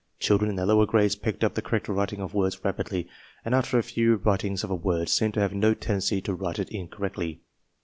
Children in the lower grades picked up the correct writing of words rapidly and, after a few writ ings of a word, seemed to have no tendency to write it incorrectly.